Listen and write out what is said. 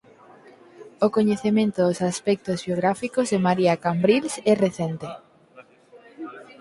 O coñecemento dos aspectos biográficos de María Cambrils é recente.